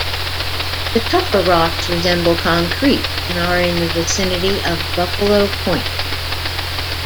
The tufa rocks resemble concrete and are in the vicinity of Buffalo Point.